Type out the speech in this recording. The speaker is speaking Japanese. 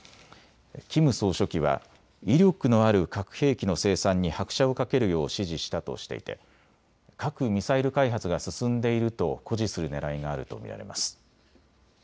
キム総書記は威力のある核兵器の生産に拍車をかけるよう指示したとしていて核・ミサイル開発が進んでいると誇示するねらいがあると見られます。